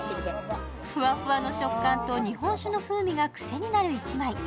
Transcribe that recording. フワフワの食感と日本酒の風味が癖になる一枚。